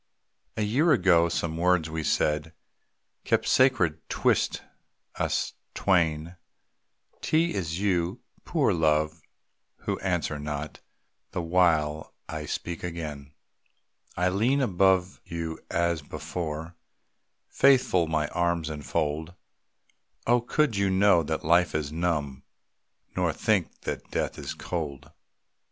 A year ago some words we said Kept sacred 'twixt us twain, 'T is you, poor Love, who answer not, The while I speak again. I lean above you as before, Faithful, my arms enfold. Oh, could you know that life is numb, Nor think that death is cold!